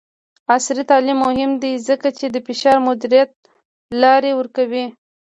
عصري تعلیم مهم دی ځکه چې د فشار مدیریت لارې ورکوي.